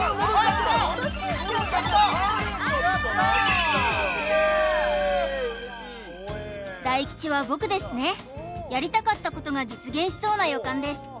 きたきたやったイエーイ嬉しい大吉は僕ですねやりたかったことが実現しそうな予感です